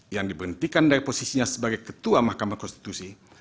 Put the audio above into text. yang diberhentikan dari posisinya sebagai ketua mahkamah konstitusi